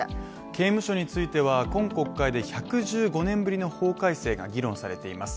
刑務所については今国会で１１５年ぶりの法改正が議論されています。